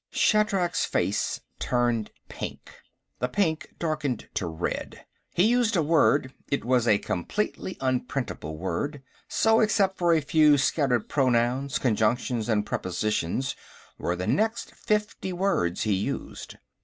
Shatrak's face turned pink; the pink darkened to red. He used a word; it was a completely unprintable word. So, except for a few scattered pronouns, conjunctions and prepositions, were the next fifty words he used.